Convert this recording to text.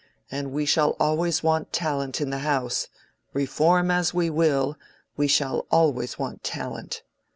And we shall always want talent in the House: reform as we will, we shall always want talent.